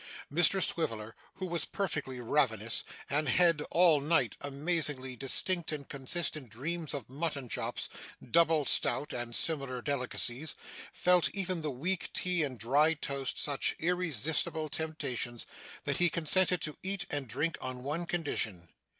Mr Swiveller, who was perfectly ravenous, and had had, all night, amazingly distinct and consistent dreams of mutton chops, double stout, and similar delicacies, felt even the weak tea and dry toast such irresistible temptations, that he consented to eat and drink on one condition.